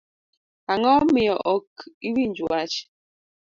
Ango miyo ok iwinj wach?